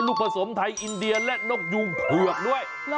ผสมไทยอินเดียและนกยูงเผือกด้วย